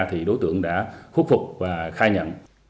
thì đối tượng đã phúc phục và khai nhận